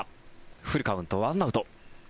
フルカウント１アウト。